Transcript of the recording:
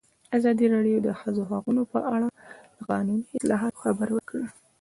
ازادي راډیو د د ښځو حقونه په اړه د قانوني اصلاحاتو خبر ورکړی.